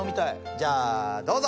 じゃあどうぞ。